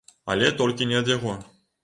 Але толькі не ад яго.